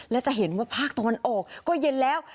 และจะเห็นว่าภาคตะวันออกก็เย็นแล้ว